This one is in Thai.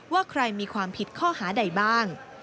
ว่าใครมีความผิดข้อหาใดบ้าง